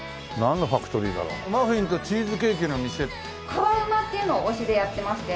「かわうま」っていうのを推しでやってまして。